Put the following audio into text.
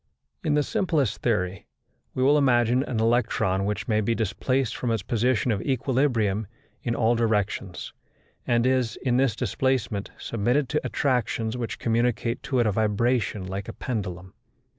In the simplest theory, we will imagine an electron which may be displaced from its position of equilibrium in all directions, and is, in this displacement, submitted to attractions which communicate to it a vibration like a pendulum.